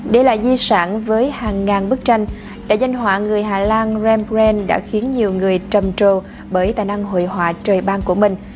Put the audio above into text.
để lại di sản với hàng ngàn bức tranh đại danh họa người hà lan rambrain đã khiến nhiều người trầm trồ bởi tài năng hội họa trời bang của mình